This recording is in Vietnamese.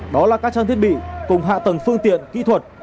đó là các trang thiết bị cùng hạ tầng phương tiện kỹ thuật